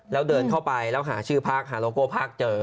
แล้วเดินเข้าไปแล้วหาชื่อพักหาโลโก้ภาคเจอ